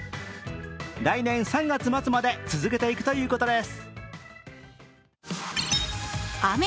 来年３月末まで続けていくということです。